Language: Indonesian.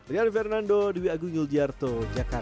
rian fernando di wiagu nyuljiarto jakarta